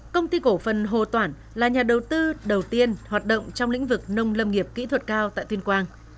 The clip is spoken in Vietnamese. công ty cổ phần hồ toản là nhà đầu tư đầu tiên hoạt động trong lĩnh vực nông lâm nghiệp kỹ thuật cao tại tuyên quang